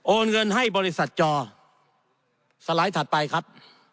เงินให้บริษัทจอสไลด์ถัดไปครับ